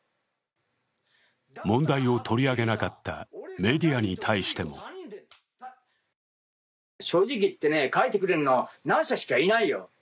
問題を取り上げなかったメディアに対しても正直言ってね、書いてくれるのは何社しかないよ。